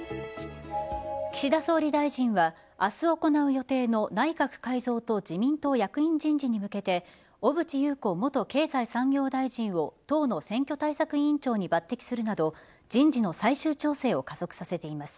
岸田総理大臣は、あす行う予定の内閣改造と自党役員人事に向けて、小渕優子元経済産業大臣を党の選挙対策委員長に抜てきするなど、人事の最終調整を加速させています。